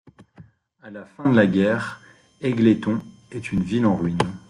À la fin de la guerre, Égletons est une ville en ruines.